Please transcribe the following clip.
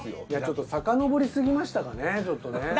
いやちょっと遡りすぎましたかねちょっとね。